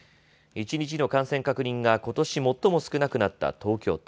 一日の感染確認がことし最も少なくなった東京都。